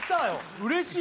うれしい！